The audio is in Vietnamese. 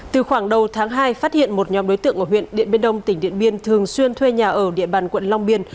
từ khoảng đầu tháng hai phát hiện một nhóm đối tượng ở huyện điện biên đông tỉnh điện biên thường xuyên thuê nhà ở địa bàn quận long biên